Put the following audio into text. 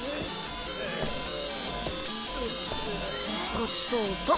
ごちそうさん。